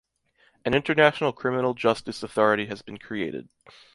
An international criminal justice authority has been created.